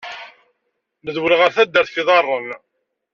Nedwel ɣel teddart f iḍaren.